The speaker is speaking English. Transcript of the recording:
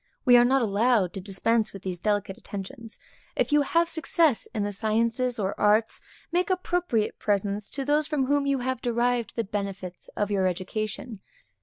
We are not allowed to dispense with these delicate attentions. If you have success in the sciences or arts, make appropriate presents to those from whom you have derived the benefits of your education.